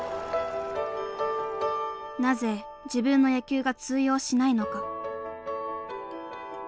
なぜ自分の野球が通用しないのか。